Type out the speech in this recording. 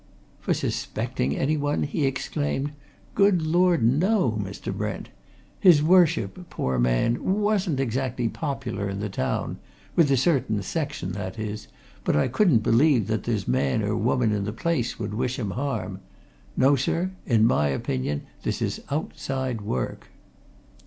"For suspecting anyone?" he exclaimed. "Good Lord, no, Mr. Brent! His Worship, poor man, wasn't exactly popular in the town with a certain section, that is but I couldn't believe that there's man or woman in the place would wish him harm! No, sir in my opinion this is outside work!"